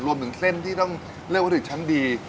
รวมถึงเส้นที่ต้องเลือกว่าถือฉันดี